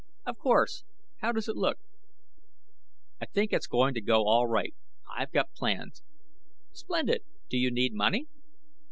"Of course. How does it look?" "I think it's going to go all right. I've got plans." "Splendid! Do you need money?"